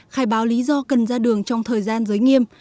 khai báo lý do cần ra đường trong thời gian giới nghiêm